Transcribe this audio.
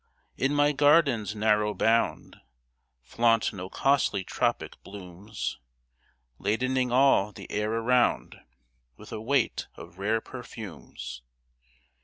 In my garden's narrow bound Flaunt no costly tropic blooms, Ladening all the air around With a weight of rare perfumes.